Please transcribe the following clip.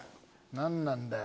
何なんだよ？